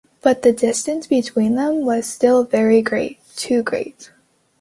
But the distance between them was still very great — too great.